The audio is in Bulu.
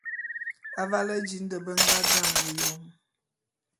Avale di nde be nga dane Yom.